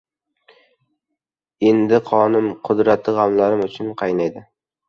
Endi qonim... qudratli g‘animlarim uchun qaynadi.